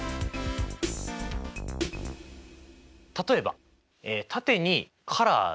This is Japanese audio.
例えば縦にカラー７色。